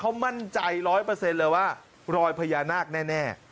เอาละสิเอาละสิ